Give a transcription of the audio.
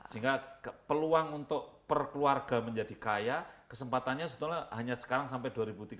sehingga peluang untuk perkeluarga menjadi kaya kesempatannya sebetulnya hanya sekarang sampai dua ribu tiga puluh